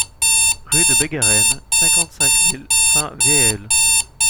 Rue de Bégarenne, cinquante-cinq mille Fains-Véel